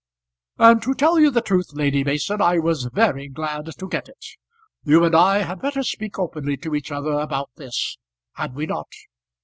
"And to tell you the truth, Lady Mason, I was very glad to get it. You and I had better speak openly to each other about this; had we not?"